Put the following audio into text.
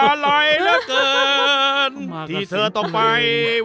อะไรเหลือเกินที่เธอต้องไป